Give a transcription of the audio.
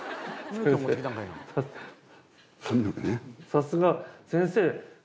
さすが先生。